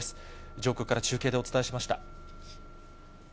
上空から中継でお伝えしました。